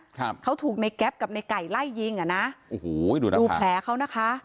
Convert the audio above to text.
ครับเขาถูกในแก๊ปกับในไก่ไล่ยิงอ่ะนะโอ้โหดูนะดูแผลเขานะคะ